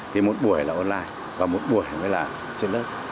thì một buổi là online và một buổi là trên lớp